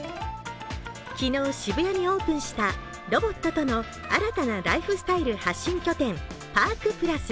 昨日、渋谷にオープンしたロボットとの新たなライフスタイル発信拠点ＰＡＲＫ＋。